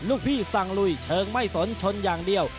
ลูกพี่สั่งลุยเชิงไม่สนชนอย่างเดียว